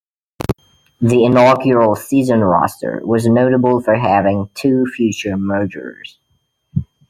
The inaugural season roster was notable for having two future murderers.